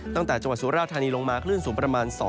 ตั้งแต่จังหวัดศูฐรธานีลงมาคลื่นสูงประมาณ๒เมตร